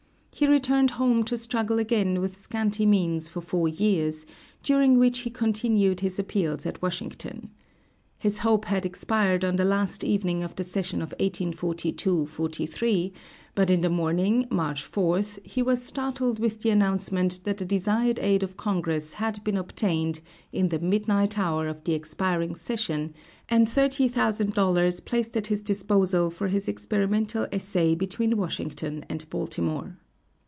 He returned home to struggle again with scanty means for four years, during which he continued his appeals at Washington. His hope had expired on the last evening of the session of 1842 3; but in the morning, March 4th, he was startled with the announcement that the desired aid of Congress had been obtained in the midnight hour of the expiring session, and $30,000 placed at his disposal for his experimental essay between Washington and Baltimore.